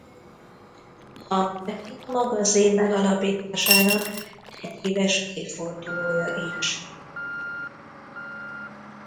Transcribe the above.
A Pepita Magazin megalapításának egyéves évfordulója is.